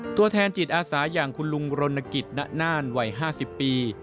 ตัวแทนจิตอาสาอย่างคุณลุงรณกิจณน่านวัย๕๐ปี